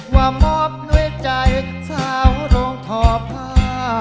ว่ามอบด้วยใจสาวโรงทอผ้า